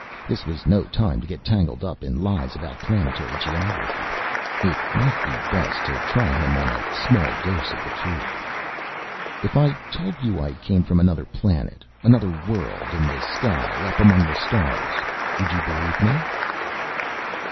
This was no time to get tangled up in lies about planetary geography: it might be best to try him on a small dose of the truth. "If I told you I came from another planet, another world in the sky up among the stars, would you believe me?"